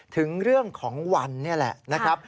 ถึงเรื่องของวันนี่แหละนะครับ